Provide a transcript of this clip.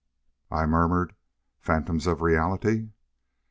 I murmured, "Phantoms of reality."